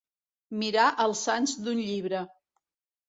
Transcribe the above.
Mirar els sants d'un llibre.